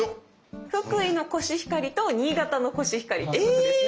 福井のコシヒカリと新潟のコシヒカリですね。